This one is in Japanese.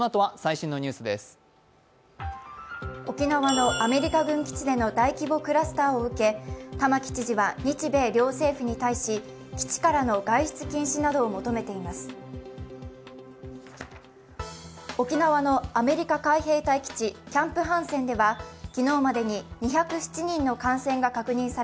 沖縄のアメリカ軍基地での大規模クラスターを受け玉城知事は日米両政府に対し基地からの外出禁止などを求めています。